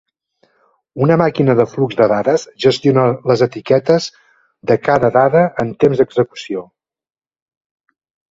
Una màquina de flux de dades gestiona les etiquetes de cada dada en temps d'execució.